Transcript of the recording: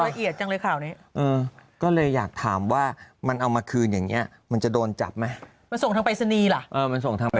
ละเอียดจังเลยข่าวนี้ก็เลยอยากถามว่ามันเอามาคืนอย่าง